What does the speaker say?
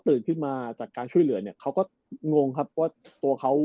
ขึ้นมาจากการช่วยเหลือเนี่ยเขาก็งงครับว่าตัวเขา